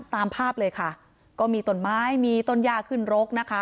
ตามภาพเลยค่ะก็มีต้นไม้มีต้นย่าขึ้นรกนะคะ